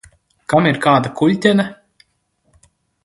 Kam ir kāda kuļķene?